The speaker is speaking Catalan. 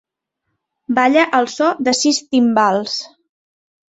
Balla al so de sis timbals.